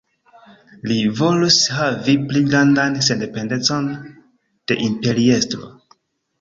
Li volis havi pli grandan sendependecon de Imperiestro.